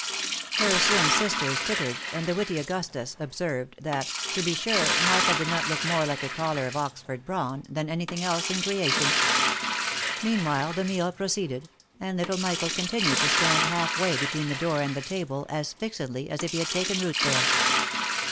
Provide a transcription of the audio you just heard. Her slim sisters tittered, and the witty Augustus observed, that " To be sure, Martha did look more like a collar of Oxford brawn, than any thing else in creation." Meanwhile, the meal proceeded, and little' Michael continued to stand half way between the door and the table, as fixedly as if he had taken root there.